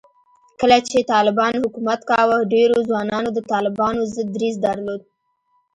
کله چې طالبانو حکومت کاوه، ډېرو ځوانانو د طالبانو ضد دریځ درلود